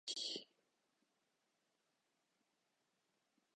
万発捲って負け回避